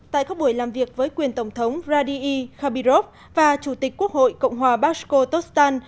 tại các buổi làm việc với quyền tổng thống radiy khabirov và chủ tịch quốc hội cộng hòa bashkortostan